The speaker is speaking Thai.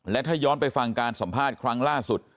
และถ้าย้อนไปฟังการสัมภาษณ์ครั้งล่าสุด